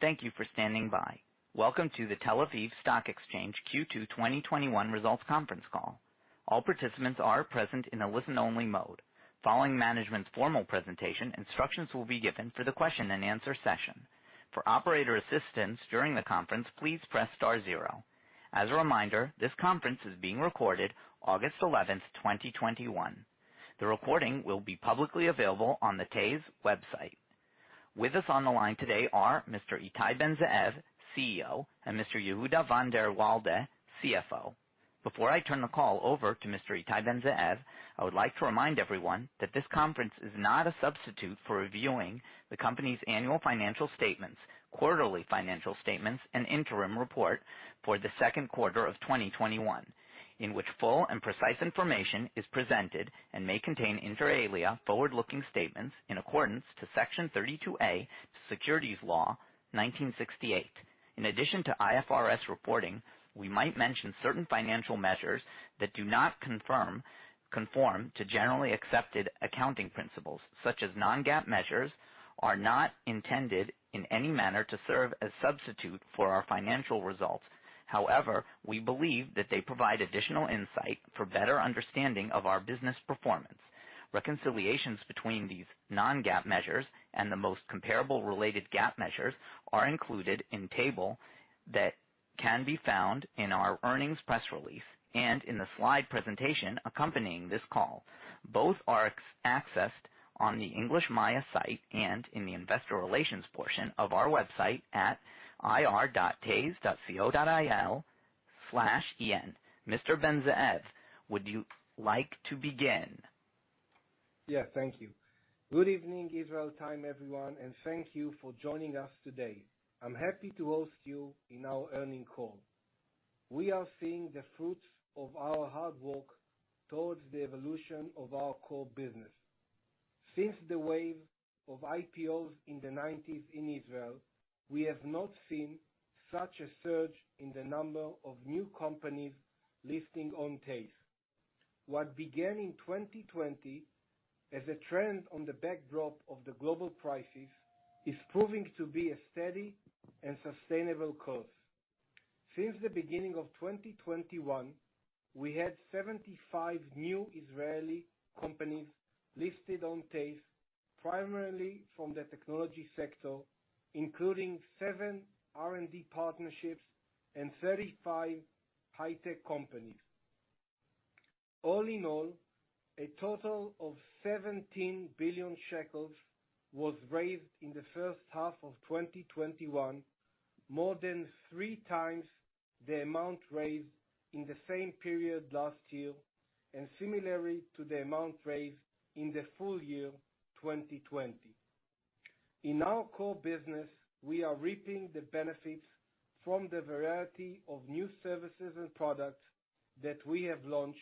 Thank you for standing by. Welcome to The Tel-Aviv Stock Exchange Q2 2021 Results Conference Call. All participants are present in a listen-only mode. Following management's formal presentation, instructions will be given for the question and answer session. For operator assistance during the conference, please press star zero. As a reminder, this conference is being recorded August 11th, 2021. The recording will be publicly available on the TASE website. With us on the line today are Mr. Ittai Ben-Zeev, CEO, and Mr. Yehuda van der Walde, CFO. Before I turn the call over to Mr. Ittai Ben-Zeev, I would like to remind everyone that this conference is not a substitute for reviewing the company's annual financial statements, quarterly financial statements, and interim report for the second quarter of 2021. In which full and precise information is presented and may contain inter alia forward-looking statements in accordance to Section 32A, Securities Law 1968. In addition to IFRS reporting, we might mention certain financial measures that do not conform to generally accepted accounting principles, such as non-GAAP measures are not intended in any manner to serve as substitute for our financial results. However, we believe that they provide additional insight for better understanding of our business performance. Reconciliations between these non-GAAP measures and the most comparable related GAAP measures are included in table that can be found in our earnings press release and in the slide presentation accompanying this call. Both are accessed on the English MAYA site and in the investor relations portion of our website at ir.tase.co.il/en. Mr. Ben-Zeev, would you like to begin? Yes, thank you. Good evening, Israel time everyone. Thank you for joining us today. I'm happy to host you in our earnings call. We are seeing the fruits of our hard work towards the evolution of our core business. Since the wave of IPOs in the 1990s in Israel, we have not seen such a surge in the number of new companies listing on TASE. What began in 2020 as a trend on the backdrop of the global crisis is proving to be a steady and sustainable course. Since the beginning of 2021, we had 75 new Israeli companies listed on TASE, primarily from the technology sector, including seven R&D partnerships and 35 high-tech companies. All in all, a total of 17 billion shekels was raised in the first half of 2021, more than three times the amount raised in the same period last year. Similarly to the amount raised in the full year 2020, in our core business, we are reaping the benefits from the variety of new services and products that we have launched,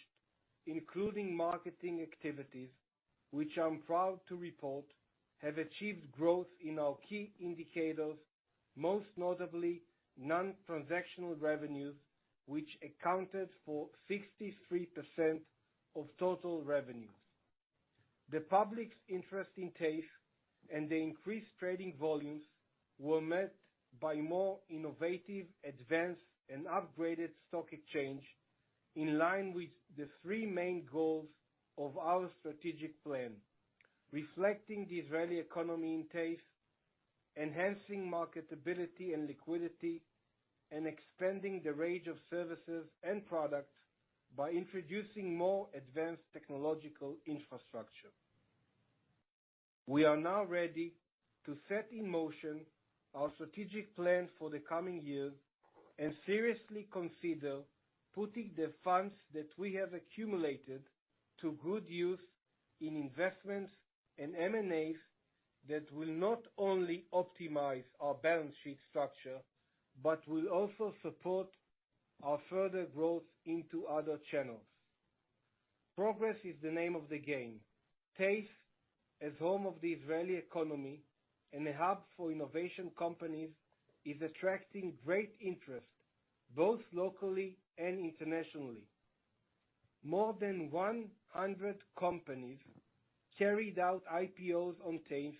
including marketing activities, which I'm proud to report have achieved growth in our key indicators, most notably non-transactional revenues, which accounted for 63% of total revenues. The public's interest in TASE and the increased trading volumes were met by more innovative, advanced, and upgraded stock exchange in line with the three main goals of our strategic plan. Reflecting the Israeli economy in TASE, enhancing marketability and liquidity, and expanding the range of services and products by introducing more advanced technological infrastructure. We are now ready to set in motion our strategic plan for the coming years and seriously consider putting the funds that we have accumulated to good use in investments and M&As that will not only optimize our balance sheet structure but will also support our further growth into other channels. Progress is the name of the game. TASE, as home of the Israeli economy and a hub for innovation companies, is attracting great interest both locally and internationally. More than 100 companies carried out IPOs on TASE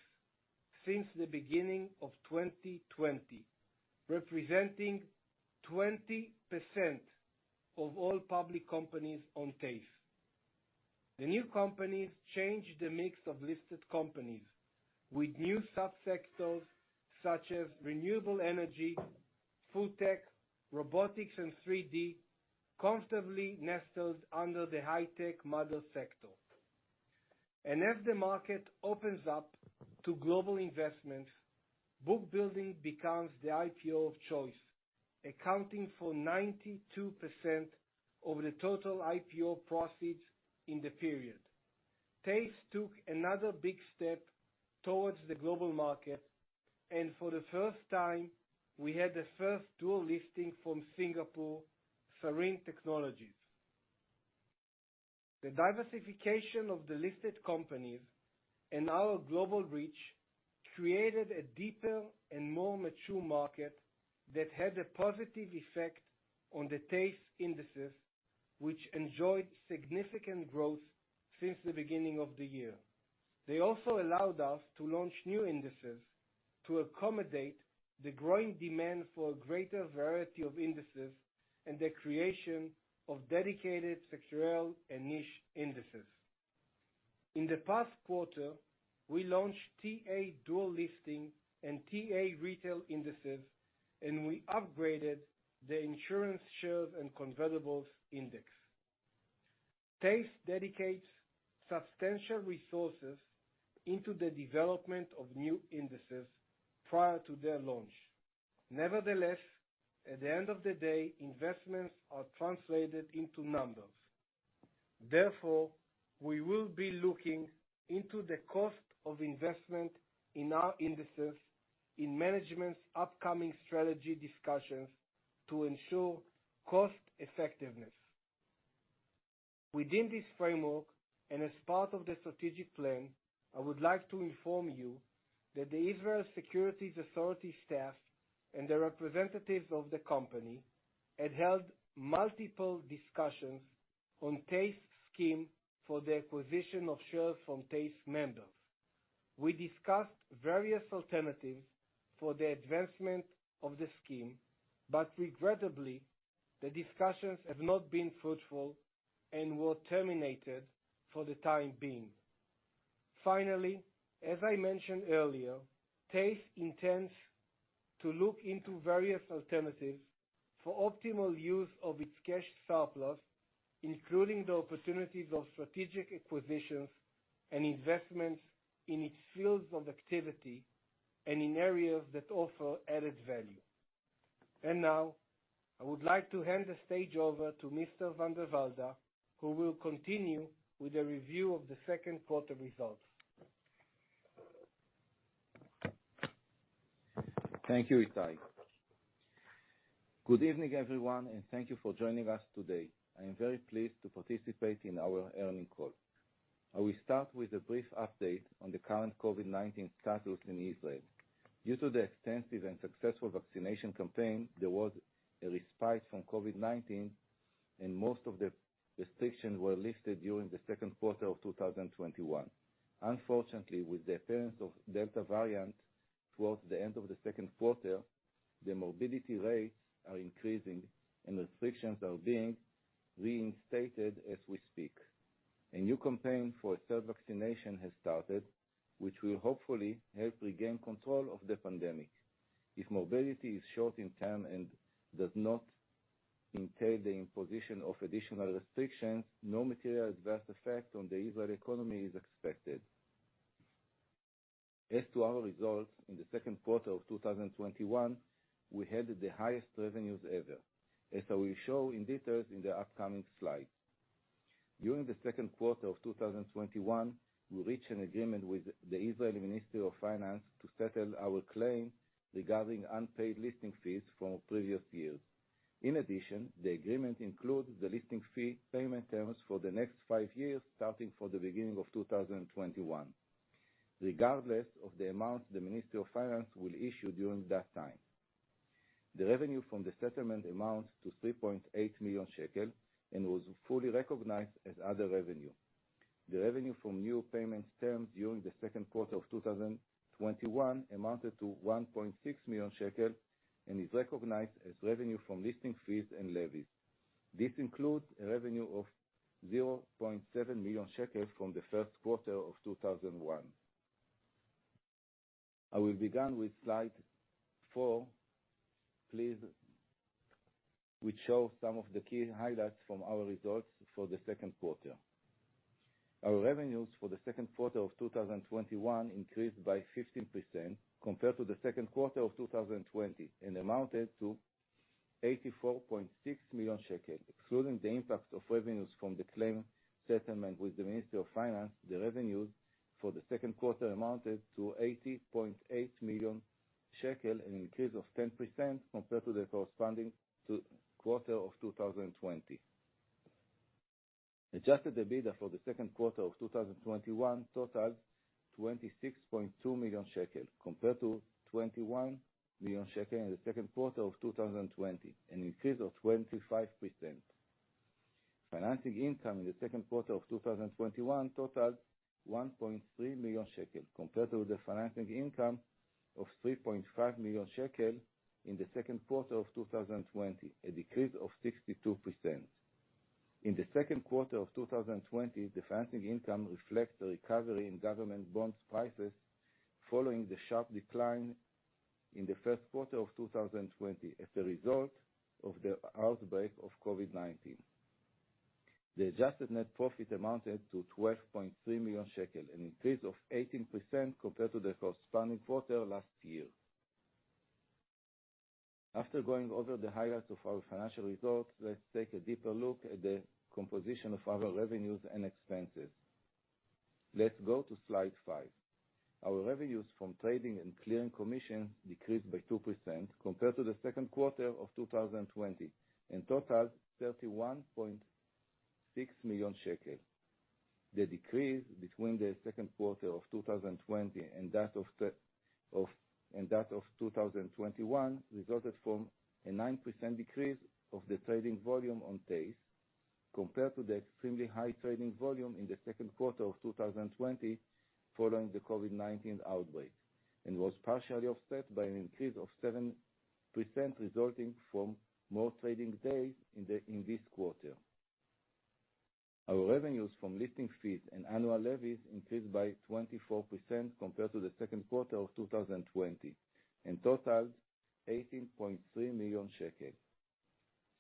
since the beginning of 2020, representing 20% of all public companies on TASE. The new companies changed the mix of listed companies with new sub-sectors such as renewable energy, food tech, robotics, and 3D, comfortably nestled under the high-tech model sector. As the market opens up to global investments, book building becomes the IPO of choice, accounting for 92% of the total IPO proceeds in the period. TASE took another big step towards the global market, and for the first time, we had the first dual listing from Singapore, Sarine Technologies. The diversification of the listed companies and our global reach created a deeper and more mature market that had a positive effect on the TASE indices, which enjoyed significant growth since the beginning of the year. They also allowed us to launch new indices to accommodate the growing demand for a greater variety of indices and the creation of dedicated sectoral and niche indices. In the past quarter, we launched TA Dual Listing and TA Retail Indices, and we upgraded the Insurance Shares and Convertibles Index. TASE dedicates substantial resources into the development of new indices prior to their launch. Nevertheless, at the end of the day, investments are translated into numbers. We will be looking into the cost of investment in our indices in management's upcoming strategy discussions to ensure cost-effectiveness. Within this framework and as part of the strategic plan, I would like to inform you that the Israel Securities Authority staff and the representatives of the company had held multiple discussions on TASE scheme for the acquisition of shares from TASE members. We discussed various alternatives for the advancement of the scheme, but regrettably, the discussions have not been fruitful and were terminated for the time being. As I mentioned earlier, TASE intends to look into various alternatives for optimal use of its cash surplus, including the opportunities of strategic acquisitions and investments in its fields of activity and in areas that offer added value. Now, I would like to hand the stage over to Mr. van der Walde, who will continue with a review of the second quarter results. Thank you, Ittai. Good evening, everyone, thank you for joining us today. I am very pleased to participate in our earnings call. I will start with a brief update on the current COVID-19 status in Israel. Due to the extensive and successful vaccination campaign, there was a respite from COVID-19, and most of the restrictions were lifted during the second quarter of 2021. Unfortunately, with the appearance of Delta variant towards the end of the second quarter, the morbidity rates are increasing, and restrictions are being reinstated as we speak. A new campaign for third vaccination has started, which will hopefully help regain control of the pandemic. If morbidity is short-term and does not entail the imposition of additional restrictions, no material adverse effect on the Israel economy is expected. As to our results in the second quarter of 2021, we had the highest revenues ever, as I will show in details in the upcoming slide. During the second quarter of 2021, we reached an agreement with the Israeli Ministry of Finance to settle our claim regarding unpaid listing fees from previous years. In addition, the agreement includes the listing fee payment terms for the next five years, starting from the beginning of 2021, regardless of the amount the Ministry of Finance will issue during that time. The revenue from the settlement amounts to 3.8 million shekel and was fully recognized as other revenue. The revenue from new payment terms during the second quarter of 2021 amounted to 1.6 million shekel, and is recognized as revenue from listing fees and levies. This includes a revenue of 0.7 million shekels from the first quarter of 2021. I will begin with slide four, please, which shows some of the key highlights from our results for the second quarter. Our revenues for the second quarter of 2021 increased by 15% compared to the second quarter of 2020 and amounted to 84.6 million shekels. Excluding the impact of revenues from the claim settlement with the Ministry of Finance, the revenues for the second quarter amounted to 80.8 million shekel, an increase of 10% compared to the corresponding quarter of 2020. Adjusted EBITDA for the second quarter of 2021 totals 26.2 million shekel compared to 21 million shekel in the second quarter of 2020, an increase of 25%. Financing income in the second quarter of 2021 totals 1.3 million shekel compared to the financing income of 3.5 million shekel in the second quarter of 2020, a decrease of 62%. In the second quarter of 2020, the financing income reflects the recovery in government bonds prices following the sharp decline in the first quarter of 2020 as a result of the outbreak of COVID-19. The adjusted net profit amounted to 12.3 million shekel, an increase of 18% compared to the corresponding quarter last year. After going over the highlights of our financial results, let's take a deeper look at the composition of our revenues and expenses. Let's go to slide five. Our revenues from trading and clearing commission decreased by 2% compared to the second quarter of 2020 and totals 31.6 million shekels. The decrease between the second quarter of 2020 and that of 2021 resulted from a 9% decrease of the trading volume on TASE, compared to the extremely high trading volume in the second quarter of 2020 following the COVID-19 outbreak, and was partially offset by an increase of 7% resulting from more trading days in this quarter. Our revenues from listing fees and annual levies increased by 24% compared to the second quarter of 2020 and totaled 18.3 million shekel.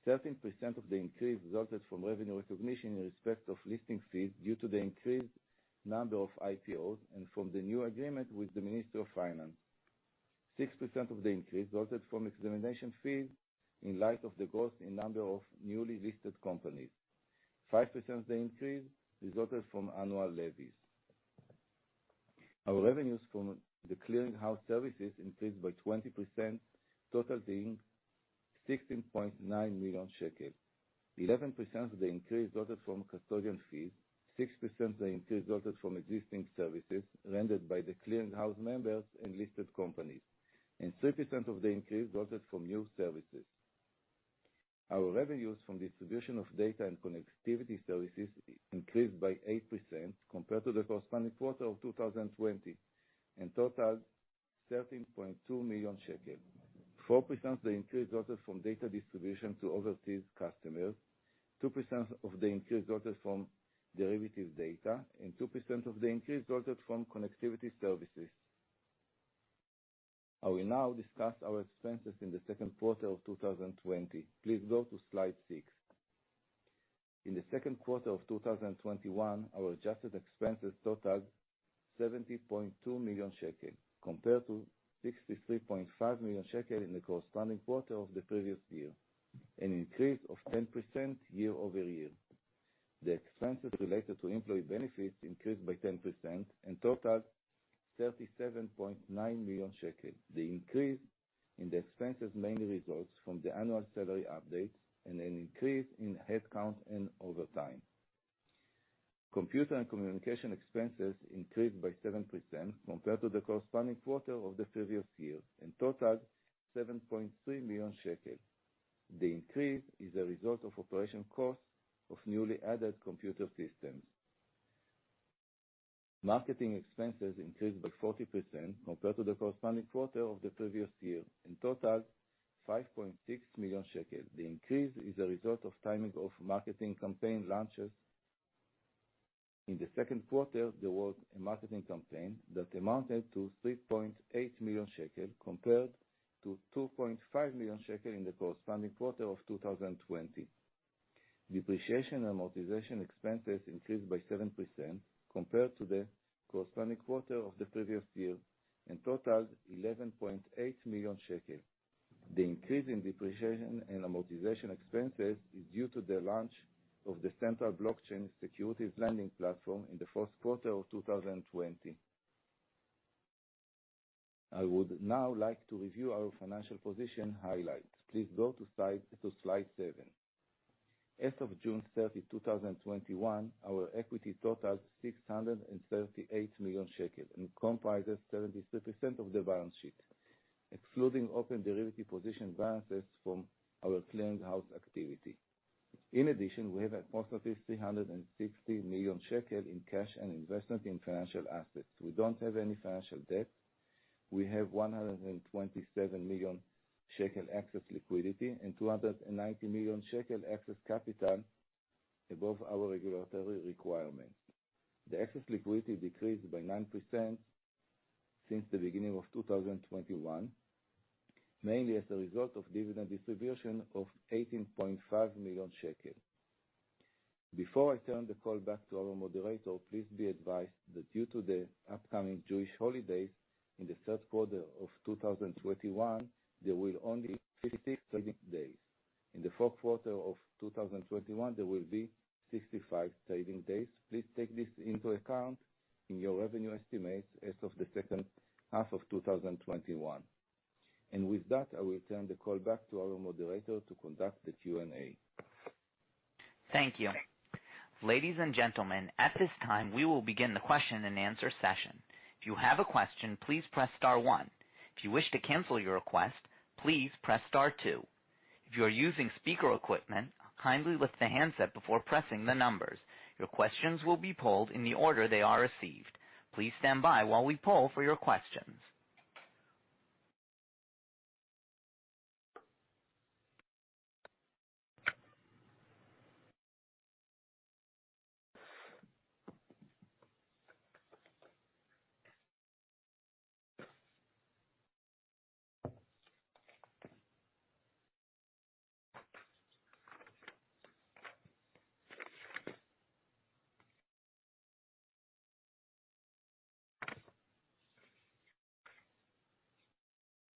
13% of the increase resulted from revenue recognition in respect of listing fees due to the increased number of IPOs and from the new agreement with the Ministry of Finance. 6% of the increase resulted from examination fees in light of the growth in number of newly listed companies. 5% of the increase resulted from annual levies. Our revenues from the clearing house services increased by 20%, totaling 16.9 million shekel. 11% of the increase resulted from custodian fees, 6% of the increase resulted from existing services rendered by the clearing house members and listed companies, and 3% of the increase resulted from new services. Our revenues from distribution of data and connectivity services increased by 8% compared to the corresponding quarter of 2020 and totaled 13.2 million. 4% of the increase resulted from data distribution to overseas customers, 2% of the increase resulted from derivatives data, and 2% of the increase resulted from connectivity services. I will now discuss our expenses in the second quarter of 2020. Please go to slide six. In the second quarter of 2021, our adjusted expenses totaled 70.2 million shekel compared to 63.5 million shekel in the corresponding quarter of the previous year, an increase of 10% year-over-year. The expenses related to employee benefits increased by 10% and totaled 37.9 million shekels. The increase in the expenses mainly results from the annual salary update and an increase in headcount and overtime. Computer and communication expenses increased by 7% compared to the corresponding quarter of the previous year and totaled 7.3 million shekels. The increase is a result of operation costs of newly added computer systems. Marketing expenses increased by 40% compared to the corresponding quarter of the previous year and totaled 5.6 million shekel. The increase is a result of timing of marketing campaign launches. In the second quarter, there was a marketing campaign that amounted to 3.8 million shekel compared to 2.5 million shekel in the corresponding quarter of 2020. Depreciation and amortization expenses increased by 7% compared to the corresponding quarter of the previous year and totaled 11.8 million shekels. The increase in depreciation and amortization expenses is due to the launch of the central blockchain securities lending platform in the first quarter of 2020. I would now like to review our financial position highlights. Please go to slide seven. As of June 30, 2021, our equity totals 638 million shekel and comprises 73% of the balance sheet, excluding open derivative position balances from our clearing house activity. In addition, we have approximately 360 million shekel in cash and investments in financial assets. We don't have any financial debt. We have 127 million shekel excess liquidity and 290 million shekel excess capital above our regulatory requirements. The excess liquidity decreased by 9% since the beginning of 2021, mainly as a result of dividend distribution of 18.5 million shekel. Before I turn the call back to our moderator, please be advised that due to the upcoming Jewish holidays in the third quarter of 2021, there will only be 56 trading days. In the fourth quarter of 2021, there will be 65 trading days. Please take this into account in your revenue estimates as of the second half of 2021. With that, I will turn the call back to our moderator to conduct the Q&A. Thank you. Ladies and gentlemen, at this time, we will begin the question and answer session. If you have a question, please press star one. If you wish to cancel your request, please press star two. If you are using speaker equipment, kindly lift the handset before pressing the numbers. Your questions will be polled in the order they are received. Please stand by while we poll for your questions.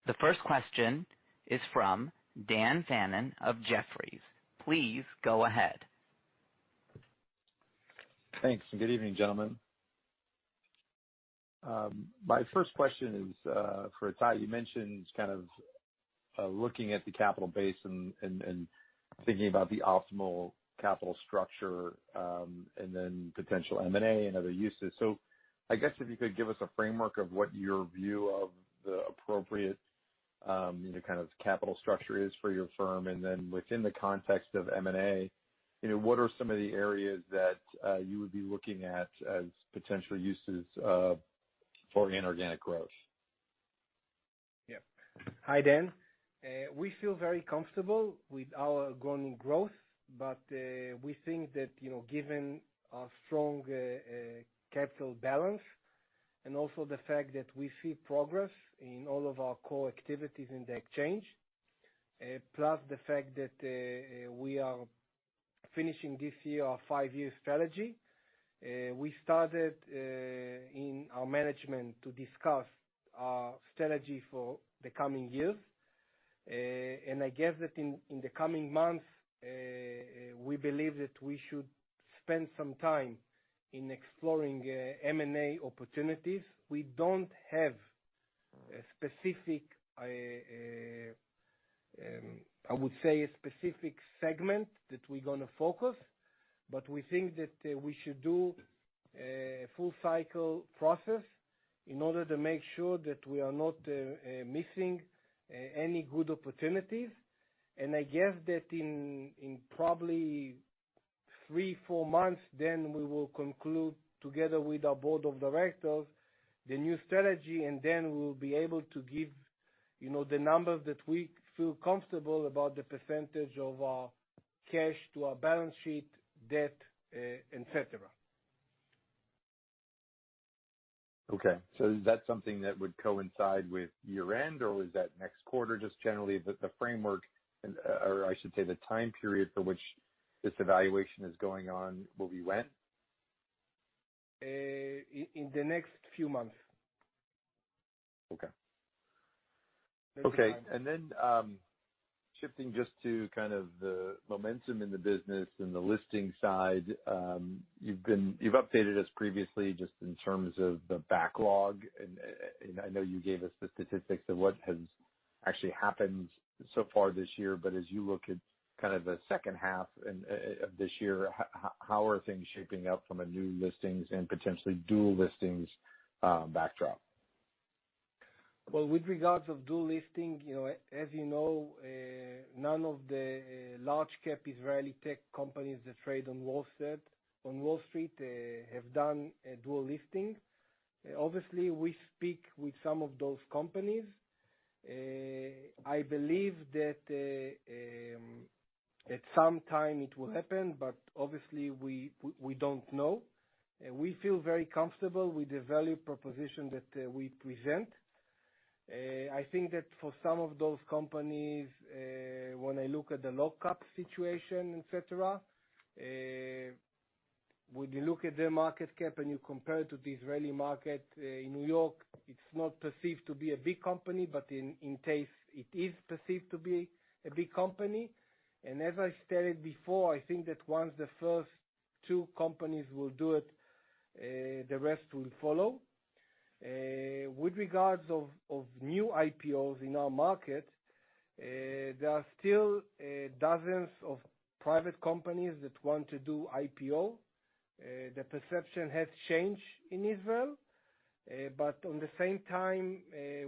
The first question is from Dan Fannon of Jefferies. Please go ahead. Thanks. Good evening, gentlemen. My first question is for Ittai. You mentioned looking at the capital base and thinking about the optimal capital structure, and then potential M&As and other uses. I guess if you could give us a framework of what your view of the appropriate capital structure is for your firm, and then within the context of M&As, what are some of the areas that you would be looking at as potential uses for inorganic growth? Hi, Dan. We feel very comfortable with our growing growth. We think that given our strong capital balance and also the fact that we see progress in all of our core activities in the exchange, plus the fact that we are finishing this year our five-year strategy, we started in our management to discuss our strategy for the coming years. I guess that in the coming months, we believe that we should spend some time in exploring M&A opportunities. We don't have, I would say, a specific segment that we're going to focus, but we think that we should do a full cycle process in order to make sure that we are not missing any good opportunities. I guess that in probably three, four months, then we will conclude together with our board of directors the new strategy, and then we will be able to give the numbers that we feel comfortable about the percentage of our cash to our balance sheet, debt, et cetera. Okay. Is that something that would coincide with year-end, or is that next quarter? Generally the framework or I should say, the time period for which this evaluation is going on will be when? In the next few months. Okay. Then shifting just to the momentum in the business and the listing side. You've updated us previously just in terms of the backlog, and I know you gave us the statistics of what has actually happened so far this year, but as you look at the second half of this year, how are things shaping up from a new listings and potentially dual listings backdrop? Well, with regards of dual listing, as you know, none of the large cap Israeli tech companies that trade on Wall Street have done a dual listing. We speak with some of those companies. I believe that at some time it will happen. Obviously, we don't know. We feel very comfortable with the value proposition that we present. I think that for some of those companies, when I look at the lockup situation, et cetera, when you look at their market cap and you compare it to the Israeli market in New York, it is not perceived to be a big company, but in TASE, it is perceived to be a big company. As I stated before, I think that once the first two companies will do it, the rest will follow. With regards of new IPOs in our market, there are still dozens of private companies that want to do IPO. The perception has changed in Israel, on the same time,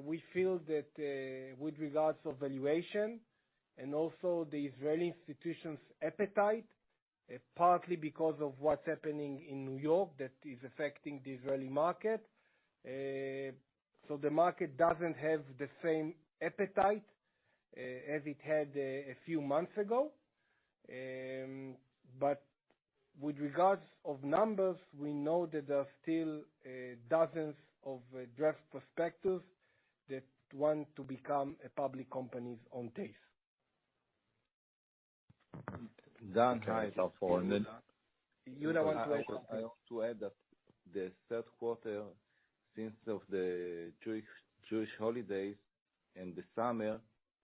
we feel that with regards of valuation and also the Israeli institutions' appetite, partly because of what's happening in New York that is affecting the Israeli market. The market doesn't have the same appetite as it had a few months ago. With regards of numbers, we know that there are still dozens of draft prospectuses that want to become public companies on TASE. Dan, can I follow on that? Yehuda van der Walde want to add something? I want to add that the third quarter, since of the Jewish holidays in the summer,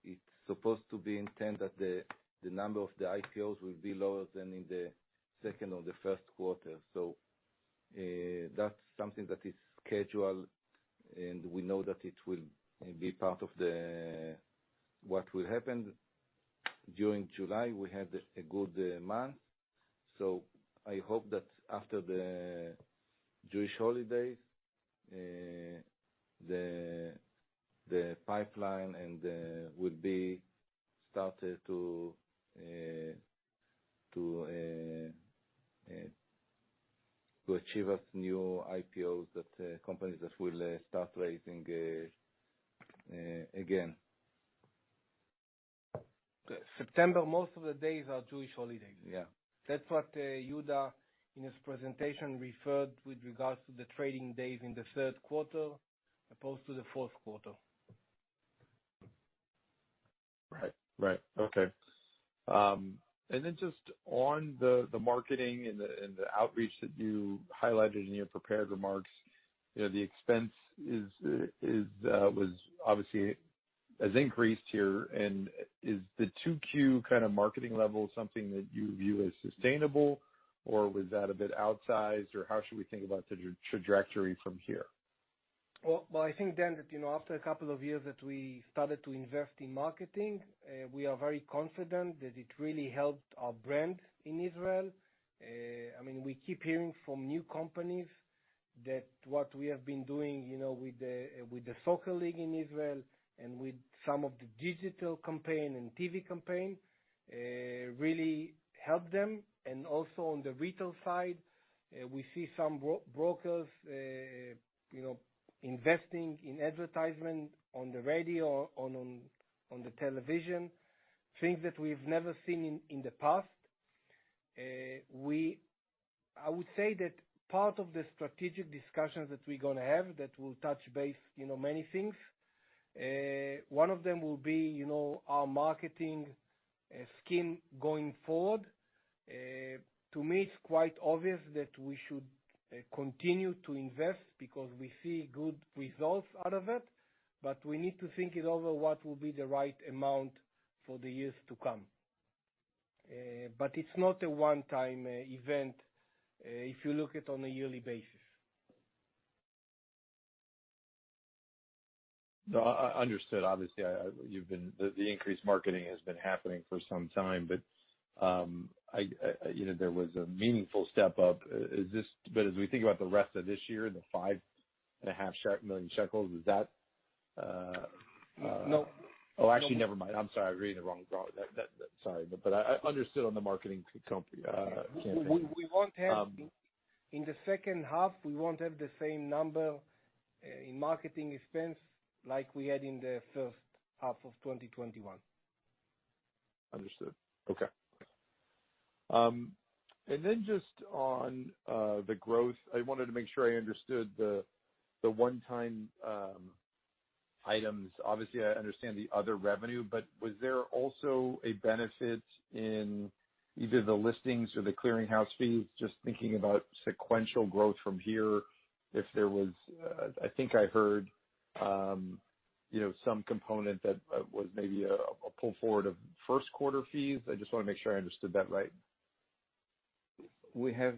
it's supposed to be intended that the number of the IPOs will be lower than in the second or the first quarter. That's something that is scheduled, and we know that it will be part of what will happen. During July, we had a good month, I hope that after the Jewish holidays, the pipeline will be started to achieve us new IPOs that companies will start raising again. September, most of the days are Jewish holidays. Yeah. That's what Yehuda van der Walde in his presentation referred with regards to the trading days in the third quarter opposed to the fourth quarter. Right. Okay. Just on the marketing and the outreach that you highlighted in your prepared remarks, the expense has increased here. Is the 2Q kind of marketing level something that you view as sustainable, or was that a bit outsized, or how should we think about the trajectory from here? Well, I think, Dan, that after a couple of years that we started to invest in marketing, we are very confident that it really helped our brand in Israel. We keep hearing from new companies that what we have been doing, with the soccer league in Israel and with some of the digital campaign and TV campaign, really helped them. Also on the retail side, we see some brokers investing in advertisement on the radio, on the television, things that we've never seen in the past. I would say that part of the strategic discussions that we're going to have, that will touch base many things, one of them will be our marketing scheme going forward. To me, it's quite obvious that we should continue to invest because we see good results out of it, but we need to think it over what will be the right amount for the years to come. It's not a one-time event, if you look at on a yearly basis. Understood. Obviously, the increased marketing has been happening for some time, but there was a meaningful step up. As we think about the rest of this year, the five and a half million shekels, is that. No. Oh, actually, never mind. I'm sorry. I was reading the wrong Sorry, but understood on the marketing campaign. In the second half, we won't have the same number in marketing expense like we had in the first half of 2021. Understood. Okay. Just on the growth, I wanted to make sure I understood the one-time items. Obviously, I understand the other revenue, but was there also a benefit in either the listings or the clearing house fees? Just thinking about sequential growth from here, I think I heard some component that was maybe a pull forward of first quarter fees. I just want to make sure I understood that right. We have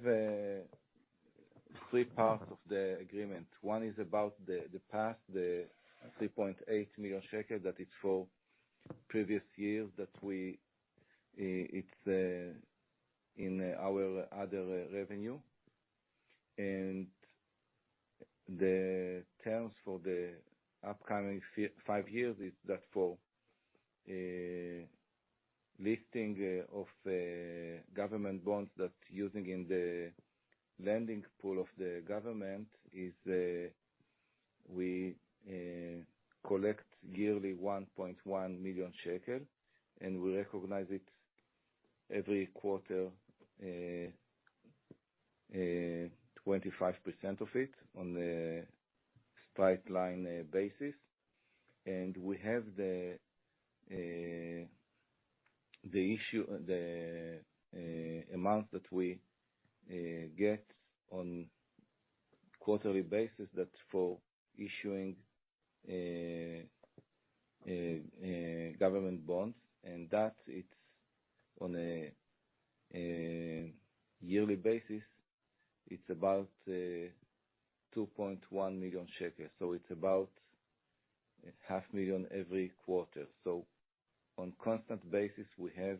three parts of the agreement. One is about the past, the 3.8 million shekel, that is for previous years, that it's in our other revenue. The terms for the upcoming five years is, that's for listing of government bonds that's using in the lending pool of the government, is we collect yearly 1.1 million shekel, we recognize it every quarter, 25% of it, on a straight line basis. We have the amount that we get on quarterly basis, that's for issuing government bonds. That, on a yearly basis, it's about 2.1 million shekels. It's about half million ILS every quarter. On constant basis, we have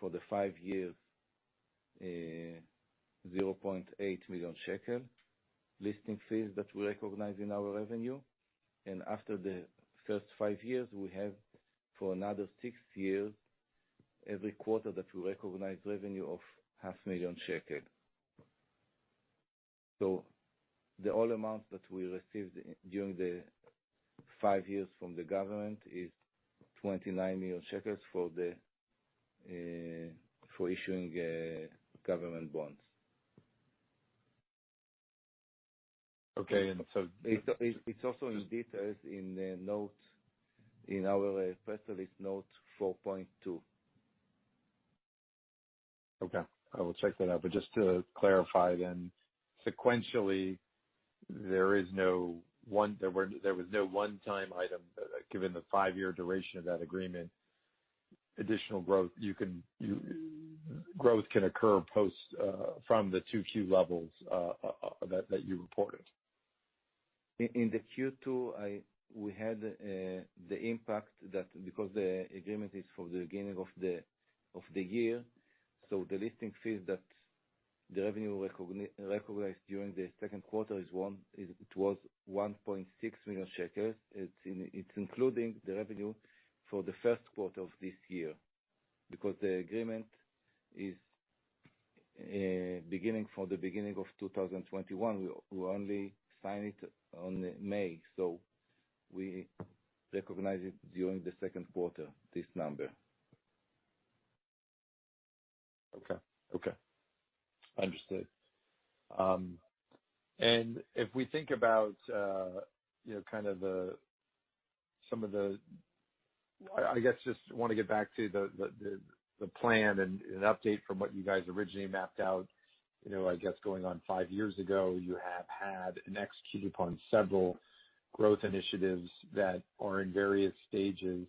for the five years, 0.8 million shekel listing fees that we recognize in our revenue. After the first five years, we have for another six years, every quarter that we recognize revenue of half million ILS. The all amount that we received during the five years from the government is 29 million shekels for issuing government bonds. Okay. It's also in details in our press release note 4.2. Okay. I will check that out. Just to clarify then, sequentially, there was no one-time item, given the five-year duration of that agreement. Additional growth can occur from the 2Q levels that you reported. In the Q2, we had the impact that because the agreement is for the beginning of the year, so the listing fees that the revenue recognized during the second quarter was 1.6 million shekels. It's including the revenue for the first quarter of this year, because the agreement is beginning from the beginning of 2021. We only sign it on May, so we recognize it during the second quarter, this number. Okay. Understood. I just want to get back to the plan and an update from what you guys originally mapped out, I guess going on five years ago. You have had and executed upon several growth initiatives that are in various stages.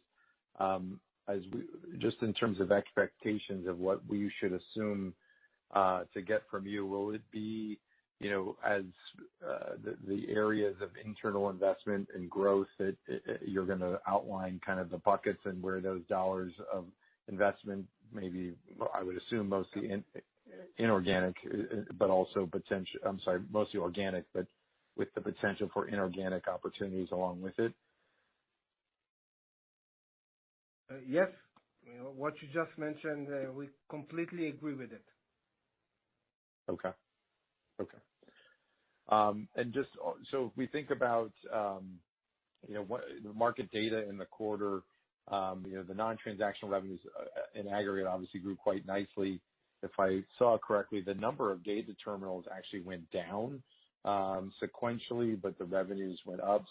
Just in terms of expectations of what we should assume to get from you, will it be as the areas of internal investment and growth that you're going to outline kind of the buckets and where those dollars of investment may be, I would assume mostly inorganic, but also potential I'm sorry, mostly organic, but with the potential for inorganic opportunities along with it? Yes. What you just mentioned, we completely agree with it. Okay. We think about the market data in the quarter. The non-transactional revenues in aggregate obviously grew quite nicely. If I saw correctly, the number of data terminals actually went down sequentially, but the revenues went up.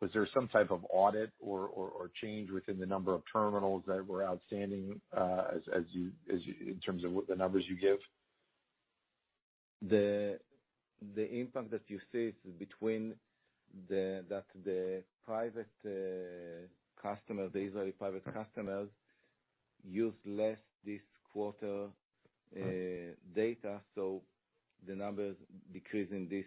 Was there some type of audit or change within the number of terminals that were outstanding in terms of the numbers you give? The impact that you see is between the Israeli private customers used less this quarter data. The numbers decrease in this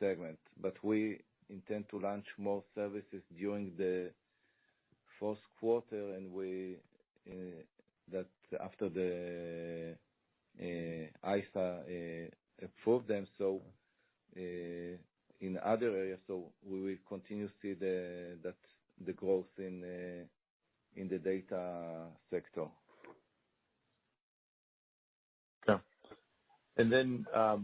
segment. We intend to launch more services during the first quarter, and after the ISA approves them. In other areas, we will continue to see the growth in the data sector. Yeah.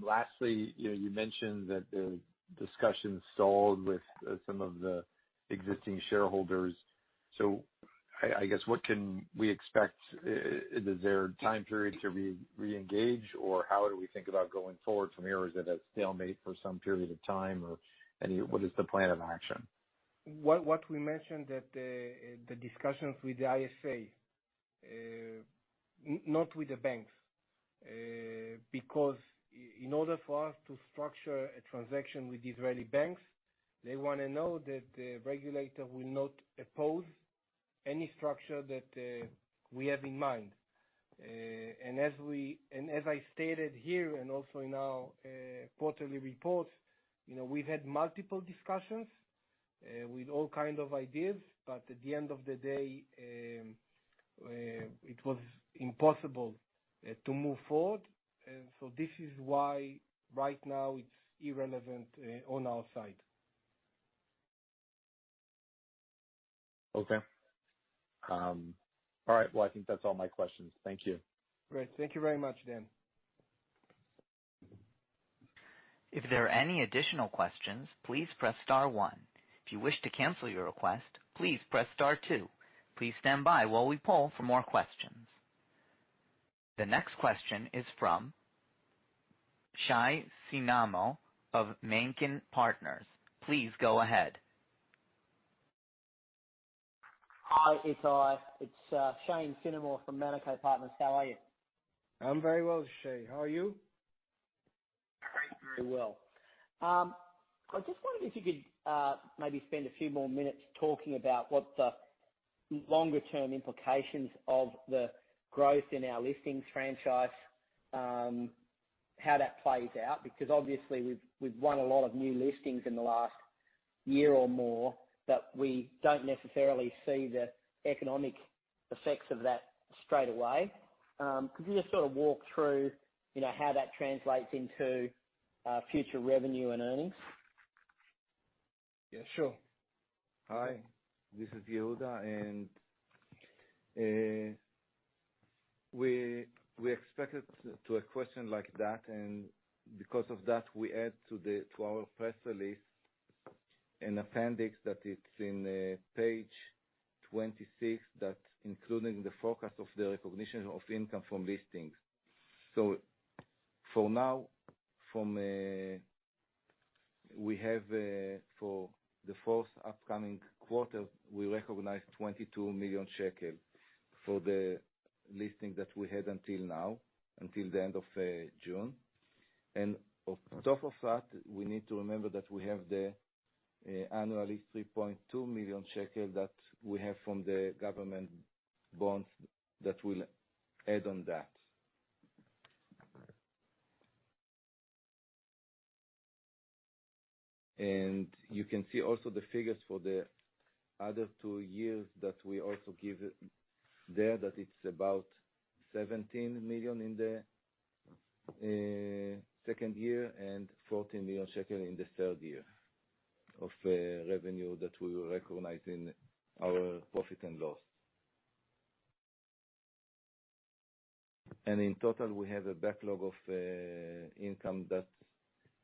Lastly, you mentioned that the discussions stalled with some of the existing shareholders. I guess, what can we expect? Is there a time period to reengage, or how do we think about going forward from here? Is it a stalemate for some period of time, or what is the plan of action? What we mentioned that the discussions with the ISA, not with the banks, because in order for us to structure a transaction with Israeli banks, they want to know that the regulator will not oppose any structure that we have in mind. As I stated here and also in our quarterly reports, we've had multiple discussions with all kind of ideas, but at the end of the day, it was impossible to move forward. This is why right now it's irrelevant on our side. Okay. All right. I think that's all my questions. Thank you. Great. Thank you very much, Dan. If there are any additional questions, please press star one. If you wish to cancel your request, please press star two. Please stand by while we poll for more questions. The next question is from Shane Finemore of Manikay Partners. Please go ahead. Hi, it's Shane Finemore from Manikay Partners. How are you? I'm very well, Shane. How are you? Great. Very well. I just wondered if you could maybe spend a few more minutes talking about what the longer-term implications of the growth in our listings franchise, how that plays out, because obviously we've won a lot of new listings in the last year or more, but we don't necessarily see the economic effects of that straight away. Could you just sort of walk through how that translates into future revenue and earnings? Yeah, sure. Hi, this is Yehuda. We expected to a question like that. Because of that, we add to our press release an appendix that it's in page 26, that's including the forecast of the recognition of income from listings. For now, for the fourth upcoming quarter, we recognize 22 million shekel for the listings that we had until now, until the end of June. On top of that, we need to remember that we have the annually 3.2 million shekel that we have from the government bonds that will add on that. You can see also the figures for the other two years that we also give there, that it's about 17 million in the second year and 14 million shekel in the third year of revenue that we will recognize in our profit and loss. In total, we have a backlog of income that's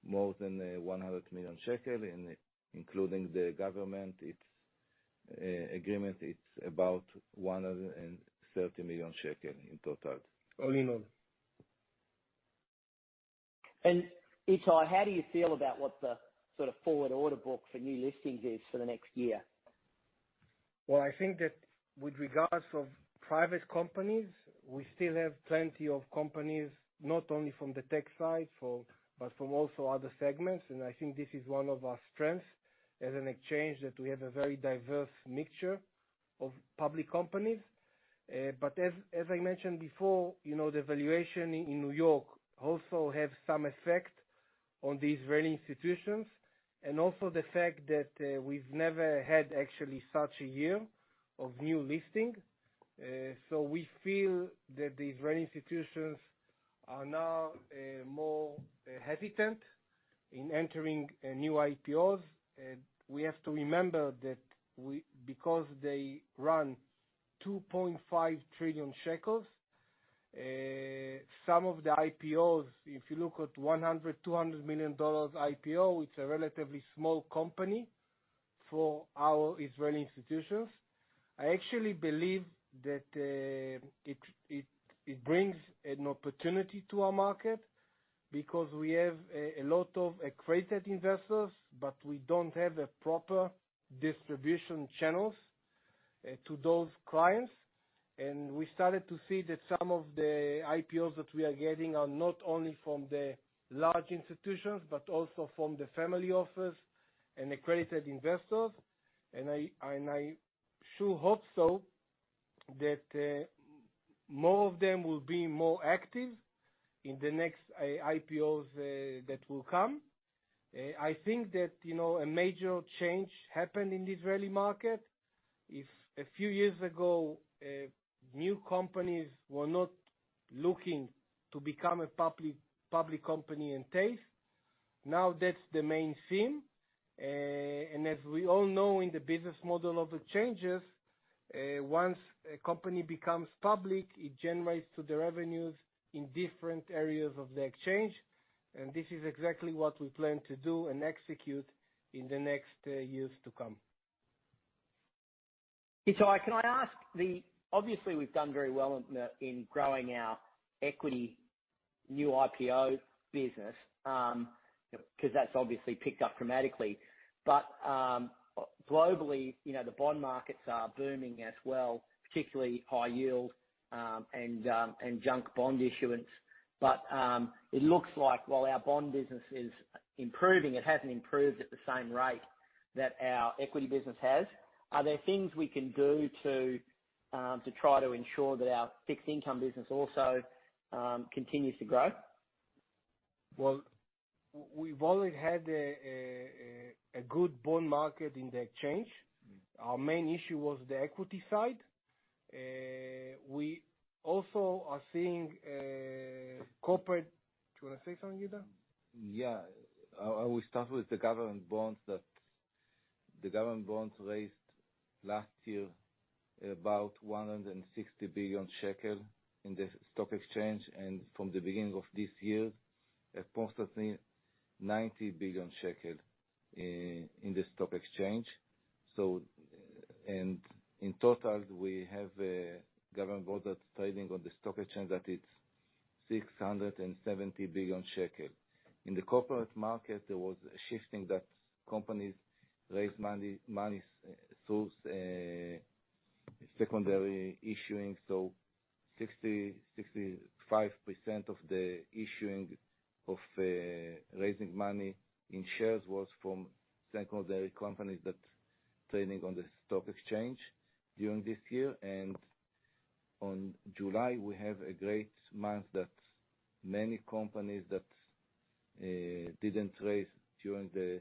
more than 100 million shekel, including the government agreement, it's about 130 million shekel in total. All in all. Ittai, how do you feel about what the forward order book for new listings is for the next year? I think that with regards to private companies, we still have plenty of companies, not only from the tech side, but from also other segments, and I think this is one of our strengths as an exchange, that we have a very diverse mixture of public companies. As I mentioned before, the valuation in New York also has some effect on the Israeli institutions, and also the fact that we've never had actually such a year of new listing. We feel that the Israeli institutions are now more hesitant in entering new IPOs. We have to remember that because they run 2.5 trillion shekels, some of the IPOs, if you look at $100 million, $200 million IPO, it's a relatively small company for our Israeli institutions. I actually believe that it brings an opportunity to our market because we have a lot of accredited investors, but we don't have the proper distribution channels to those clients. We started to see that some of the IPOs that we are getting are not only from the large institutions, but also from the family office and accredited investors. I sure hope so that more of them will be more active in the next IPOs that will come. I think that a major change happened in the Israeli market. If a few years ago, new companies were not looking to become a public company in TASE, now that's the main theme. As we all know in the business model of the changes, once a company becomes public, it generates to the revenues in different areas of the exchange. This is exactly what we plan to do and execute in the next years to come. Itai, can I ask, obviously we've done very well in growing our equity new IPO business, because that's obviously picked up dramatically. Globally, the bond markets are booming as well, particularly high yield, and junk bond issuance. It looks like while our bond business is improving, it hasn't improved at the same rate that our equity business has. Are there things we can do to try to ensure that our fixed income business also continues to grow? Well, we've always had a good bond market in the exchange. Our main issue was the equity side. Do you want to say something, Giora? Yeah. I will start with the government bonds. The government bonds raised last year about 160 billion shekel in the stock exchange, and from the beginning of this year, approximately 90 billion shekel in the stock exchange. In total, we have government bonds that are trading on the stock exchange that is 670 billion shekel. In the corporate market, there was a shifting that companies raised money through secondary issuing. 65% of the issuing of raising money in shares was from secondary companies that trading on the stock exchange during this year. On July, we have a great month that many companies that didn't raise during the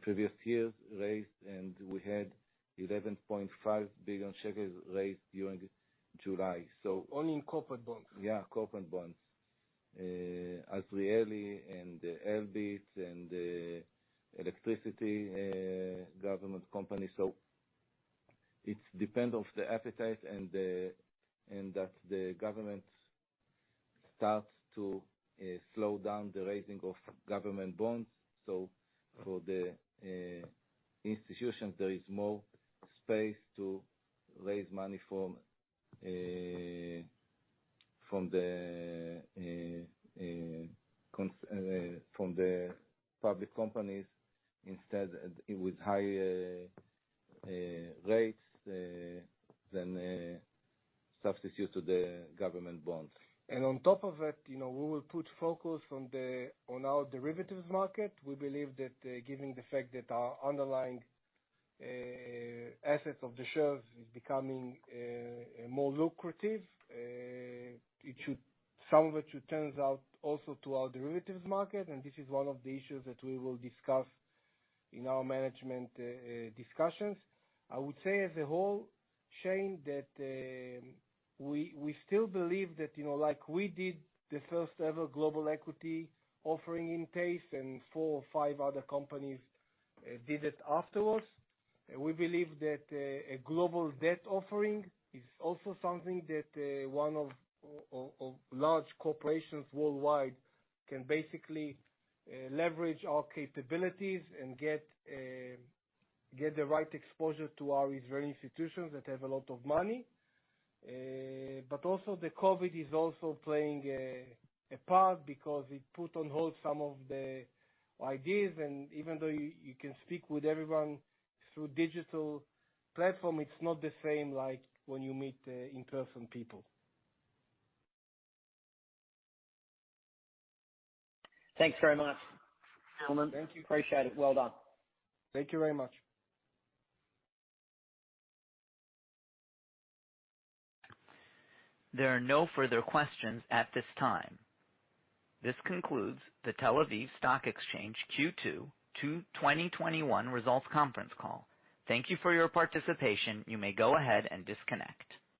previous years raised, and we had 11.5 billion shekels raised during July. Only in corporate bonds. Yeah, corporate bonds. Azrieli and Elbit and Israel Electric Corporation. It depends on the appetite, and that the government starts to slow down the raising of government bonds. For the institutions, there is more space to raise money from the public companies instead, with higher rates than a substitute to the government bonds. On top of that, we will put focus on our derivatives market. We believe that given the fact that our underlying assets of the shares is becoming more lucrative, some of it should turns out also to our derivatives market. This is one of the issues that we will discuss in our management discussions. I would say as a whole chain, that we still believe that, like we did the first-ever global equity offering in TASE, and four or five other companies did it afterwards. We believe that a global debt offering is also something that one of large corporations worldwide can basically leverage our capabilities and get the right exposure to our Israeli institutions that have a lot of money. Also the COVID is also playing a part because it put on hold some of the ideas, and even though you can speak with everyone through digital platform, it's not the same like when you meet in person people. Thanks very much, gentlemen. Thank you. Appreciate it. Well done. Thank you very much. There are no further questions at this time. This concludes The Tel-Aviv Stock Exchange Q2 2021 Results Conference Call. Thank you for your participation. You may go ahead and disconnect.